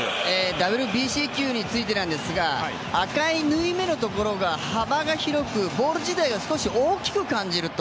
ＷＢＣ球についてですが、赤い縫い目のところが幅が広く、ボール自体が大きく感じると。